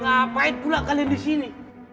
ngapain pula kalian disini